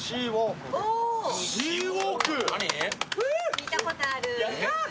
聞いたことあるー。